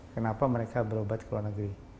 kenapa mereka berobat ke luar negeri